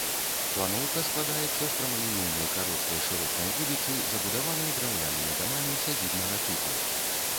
Планоўка складаецца з прамалінейнай кароткай шыротнай вуліцы, забудаванай драўлянымі дамамі сядзібнага тыпу.